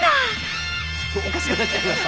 おかしくなっちゃいました？